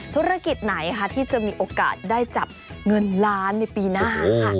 ธุรกิจไหนที่จะมีโอกาสได้จับเงินล้านในปีหน้าค่ะ